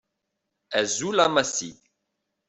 Azul a Massi.